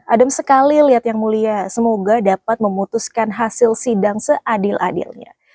adem sekali lihat yang mulia semoga dapat memutuskan hasil sidang seadil adilnya